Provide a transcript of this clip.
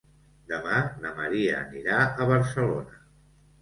Demà na Maria anirà a Barcelona.